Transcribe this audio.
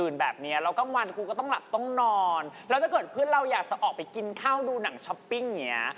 และถ้าเกิดเพื่อนเราอยากจะออกไปกินข้าวดูหนังช็อปปิ้งเนี่ย